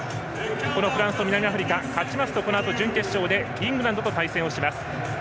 このフランスと南アフリカ勝ちますと、このあと準決勝でイングランドと対戦をします。